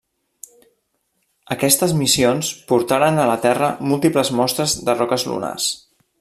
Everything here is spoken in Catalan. Aquestes missions portaren a la Terra múltiples mostres de roques lunars.